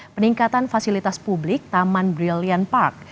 peningkatan fasilitas publik taman brilliant park